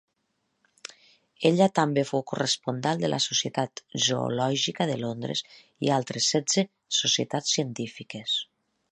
Ella també fou corresponsal de la Societat Zoològica de Londres i altres setze societats científiques.